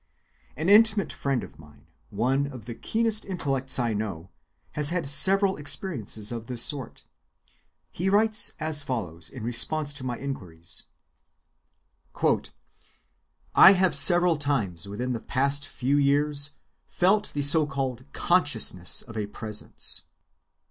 An intimate friend of mine, one of the keenest intellects I know, has had several experiences of this sort. He writes as follows in response to my inquiries:— "I have several times within the past few years felt the so‐called 'consciousness of a presence.